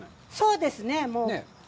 そうですね。